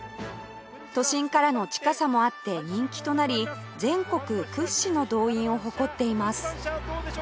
都心からの近さもあって人気となり全国屈指の動員を誇っています